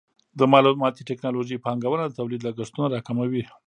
د معلوماتي ټکنالوژۍ پانګونه د تولید لګښتونه راکموي.